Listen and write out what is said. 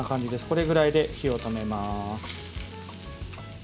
これぐらいで火を止めます。